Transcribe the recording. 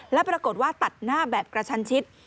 แล้วปรากฏว่าตัดหน้าแบบกระชันชิด